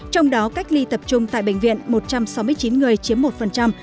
trong đó cách ly tập trung tại bệnh viện một trăm sáu mươi chín người chiếm một